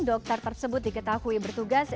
dokter tersebut diketahui bertugas